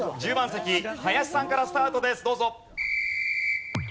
１０番席林さんからスタートですどうぞ。